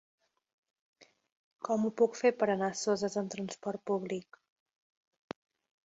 Com ho puc fer per anar a Soses amb trasport públic?